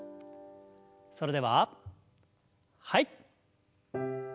それでははい。